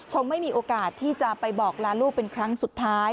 คงไม่มีโอกาสที่จะไปบอกลาลูกเป็นครั้งสุดท้าย